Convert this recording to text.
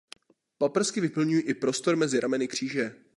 Paprsky vyplňují i prostor mezi rameny kříže.